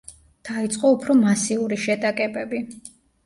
დაიწყო უფრო მასიური შეტაკებები.